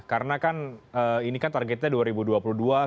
karena kan ini kan targetnya dua tahun